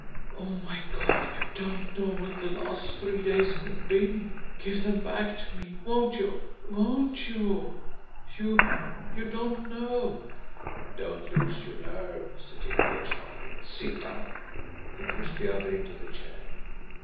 Oh, my God, you don't know what the last three days have been! Give them back to me, won't you won't you? You you don't know!" "Don't lose your nerve!" said Jimmie Dale sharply. "Sit down!" He pushed the other into the chair.